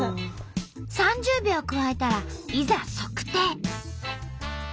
３０秒くわえたらいざ測定！